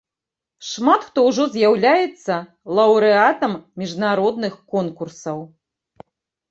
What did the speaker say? Шмат хто ўжо з'яўляецца лаўрэатам міжнародных конкурсаў.